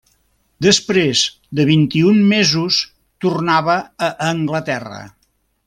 Després de vint-i-un mesos tornava a Anglaterra.